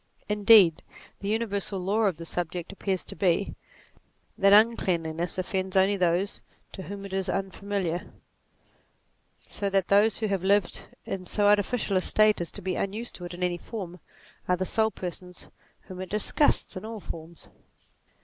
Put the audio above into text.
Indeed the universal law of the subject appears to be, that un cleanliness offends only those to whom it is unfamiliar, NATURE 49 so that those who have lived in so artificial a state as to be unused to it in any form, are the sole persons whom it disgusts in all forms.